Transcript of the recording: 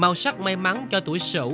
màu sắc may mắn cho tuổi sửu